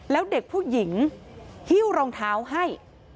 แล้วเด็กผู้หญิงหิ้วรองเท้าให้